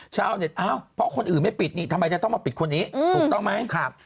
ชาวเน็ตอ้าวเพราะคนอื่นไม่ปิดนี่ทำไมจะต้องมาปิดคนนี้ถูกต้องไหม